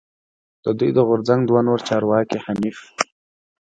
د دوی د غورځنګ دوه نور چارواکی حنیف